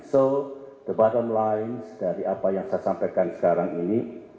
so the bottom line dari apa yang saya sampaikan sekarang ini